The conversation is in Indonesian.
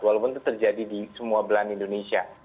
walaupun itu terjadi di semua belahan indonesia